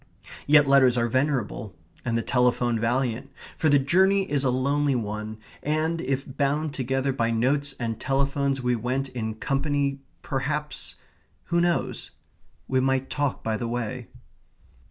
Yet letters are venerable; and the telephone valiant, for the journey is a lonely one, and if bound together by notes and telephones we went in company, perhaps who knows? we might talk by the way.